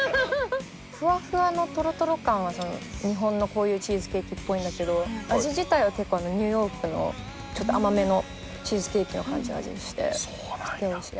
ふわふわのとろとろ感は日本のこういうチーズケーキっぽいんだけど味自体は結構ニューヨークのちょっと甘めのチーズケーキの感じの味がしてすげえおいしい。